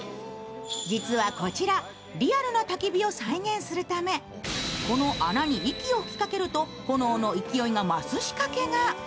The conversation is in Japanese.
実はこちら、リアルなたき火を再現するためこの穴に息を吹きかけると、炎の勢いが増す仕掛けが。